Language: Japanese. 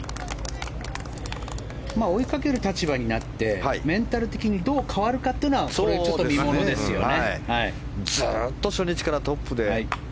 追いかける立場になってメンタル的にどう変わるかっていうのはちょっと見ものですよね。